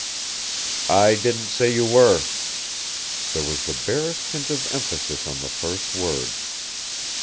"I didn't say you were." There was the barest hint of emphasis on the first word.